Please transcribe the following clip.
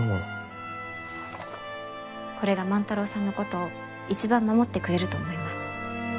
これが万太郎さんのことを一番守ってくれると思います。